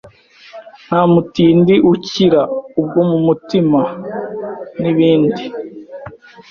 nta mutindi ukira ubwo mu mutima, n’ibindi